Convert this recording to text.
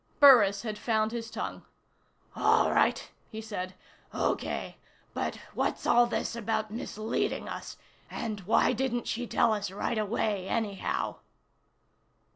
Burris had found his tongue. "All right," he said. "Okay. But what's all this about misleading us and why didn't she tell us right away, anyhow?"